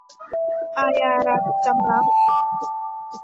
อาญารัก - จำลักษณ์